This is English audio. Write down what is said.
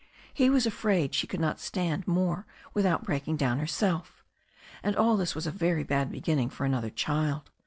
He was afraid she could not stand more without a break dowo herself. And all this was a very bad beginning for another child.